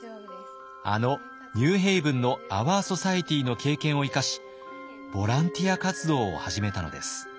あのニューヘイブンのアワー・ソサエティの経験を生かしボランティア活動を始めたのです。